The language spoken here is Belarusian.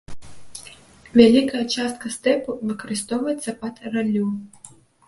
Вялікая частка стэпу выкарыстоўваецца пад раллю.